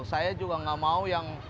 saya juga nggak mau yang